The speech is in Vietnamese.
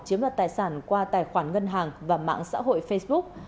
chiếm đoạt tài sản qua tài khoản ngân hàng và mạng xã hội facebook